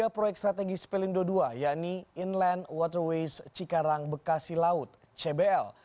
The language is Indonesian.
tiga proyek strategis pelindo ii yakni inland waterways cikarang bekasi laut cbl